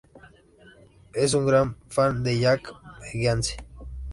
Es un gran fan de Jack Vengeance.